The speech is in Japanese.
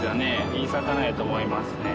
いい魚やと思いますね。